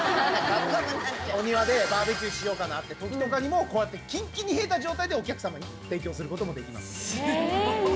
お庭でバーベキューしようかなって時とかにもこうやってキンキンに冷えた状態でお客さまに提供することもできます。